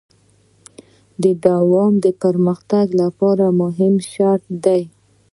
دوام د پرمختګ لپاره مهم شرط دی.